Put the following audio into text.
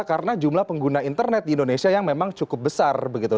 karena jumlah pengguna internet di indonesia yang memang cukup besar begitu